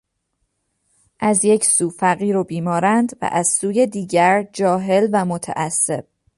از یک سو فقیر و بیمارند و از سوی دیگر جاهل و متعصب.